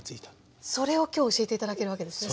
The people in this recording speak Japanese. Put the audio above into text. それを今日教えて頂けるわけですね？